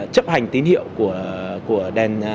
chấp hành tín hiệu của đèn